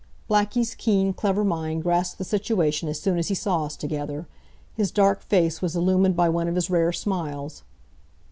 Blackie's keen, clever mind grasped the situation as soon as he saw us together. His dark face was illumined by one of his rare smiles.